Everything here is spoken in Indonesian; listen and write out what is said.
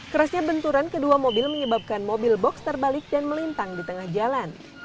kerasnya benturan kedua mobil menyebabkan mobil box terbalik dan melintang di tengah jalan